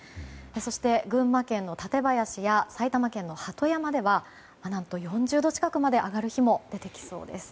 そして、群馬県の館林や埼玉県の鳩山では何と４０度近くまで上がる日も出てきそうです。